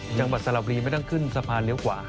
จังหวัดสระบุรีไม่ต้องขึ้นสะพานเลี้ยวขวา